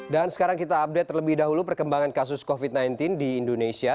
dan sekarang kita update terlebih dahulu perkembangan kasus covid sembilan belas di indonesia